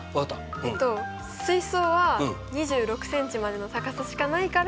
えっと水槽は２６ｃｍまでの高さしかないから。